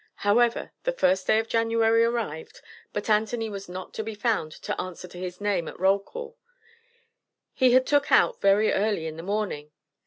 However, the 1st day of January arrived, but Anthony was not to be found to answer to his name at roll call. He had "took out" very early in the morning.